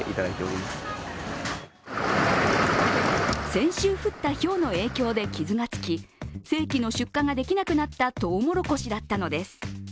先週降ったひょうの影響で傷がつき、正規の出荷ができなくなったとうもろこしだったのです。